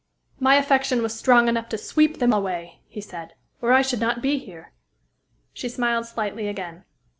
"My affection was strong enough to sweep them away," he said, "or I should not be here." She smiled slightly again.